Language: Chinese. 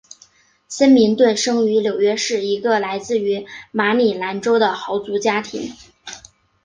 森明顿生于纽约市一个来自于马里兰州的豪族家庭。